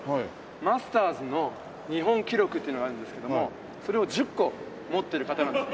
マスターズの日本記録っていうのがあるんですけどもそれを１０個持ってる方なんです。